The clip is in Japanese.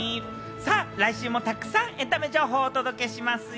来週もたくさんエンタメ情報をお届けしますよ。